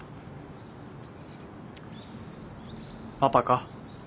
パパか？